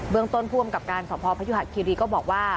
เมืองต้นผู้อำกับการสพพยุหะคิรีก็บอกว่า